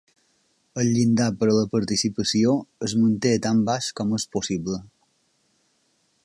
El llindar per a la participació es manté tant baix com és possible.